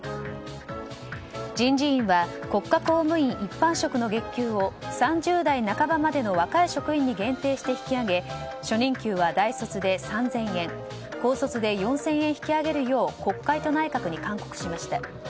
人事院は国家公務員一般職の月給を３０代半ばまでの若い職員に限定して引き上げ初任給は、大卒で３０００円高卒で４０００円引き上げるよう国会と内閣に勧告しました。